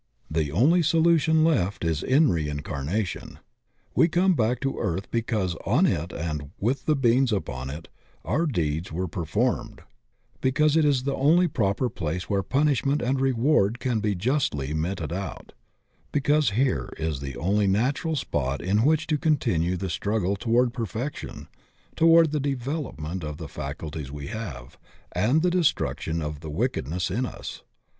The only solution left is in reincar nation. We come back to earth because on it and with the beings upon it our deeds were performed; because it is tihe only proper place where punishment and reward can be justly meted out; because here is the only natural spot in which to continue the strug gle toward perfection, toward the development of the faculties we have and the destruction of the wicked ness in us.